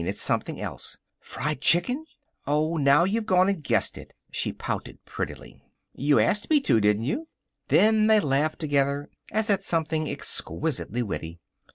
It's something else." "Fried chicken!" "Oh, now you've gone and guessed it." She pouted prettily. "You asked me to, didn't you?" Then they laughed together, as at something exquisitely witty.